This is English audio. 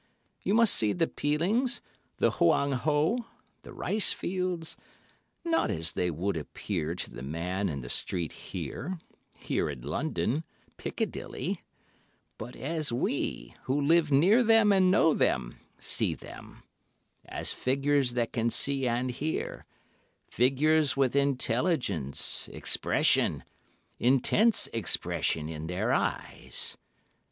You must see the Pelings, the Hoang Ho, the rice fields, not as they would appear to the man in the street here, here in London, Piccadilly, but as we, who live near them and know them, see them—as figures that can see and hear, figures with intelligence, expression—intense expression in their eyes.